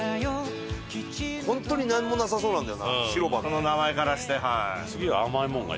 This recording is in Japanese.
この名前からしてはい。